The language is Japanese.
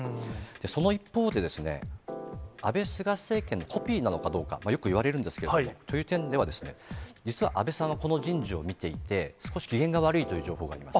その一方でですね、安倍・菅政権のコピーなのかどうか、よく言われるんですけれども、そういう点では、実は安倍さんはこの人事を見ていて、少し機嫌が悪いという情報があります。